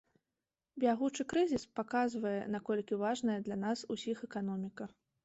Бягучы крызіс паказвае, наколькі важная для нас усіх эканоміка.